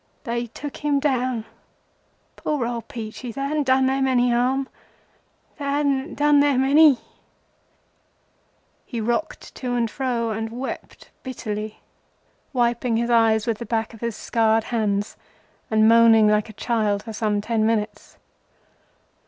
They took him down—poor old Peachey that hadn't done them any harm—that hadn't done them any…" He rocked to and fro and wept bitterly, wiping his eyes with the back of his scarred hands and moaning like a child for some ten minutes.